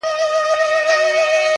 كله وي خپه اكثر.